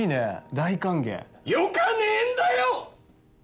大歓迎よかねえんだよ！